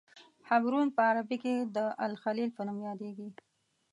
حبرون په عربي کې د الخلیل په نوم یادیږي.